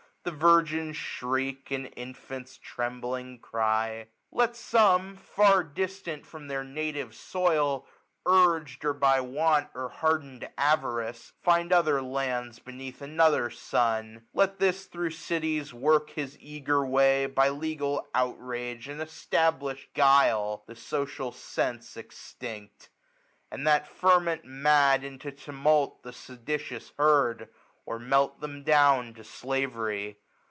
The virgin's shri^ aa4 infant's trembling cty, I^T some, far cti$t.ant from their nftdvi^ soil, Urg'd or by wa&t or hardened avarice, find other lapds beneath another sun. Let this thro' cities work his eager way. By legal outrage and e&tablish'd guile, The social sense extinct; a^d that ferment Mad into tumult the seditious herd^ Or melt {hem down to slavery.